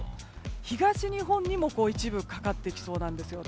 東日本にも一部かかってきそうなんですよね。